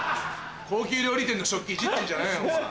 高級料理店の食器いじってんじゃねえお前。